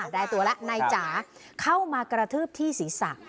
ได้ตัวแล้วนายจ๋าเข้ามากระทืบที่ศีรษะ